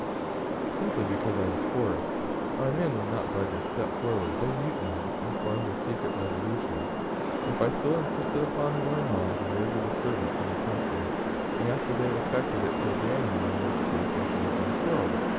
"Simply because I was forced. My men would not budge a step forward. They mutinied, and formed a secret resolution if I still insisted upon going on to raise a disturbance in the country, and after they had effected it to abandon me; in which case I should have been killed.